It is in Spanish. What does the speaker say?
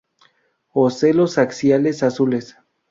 Ocelos axiales azules.